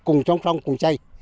cùng song song cùng xây